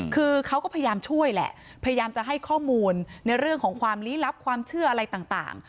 คือเขาก็พยายามช่วยแหละพยายามจะให้ข้อมูลในเรื่องของความลี้ลับความเชื่ออะไรต่าง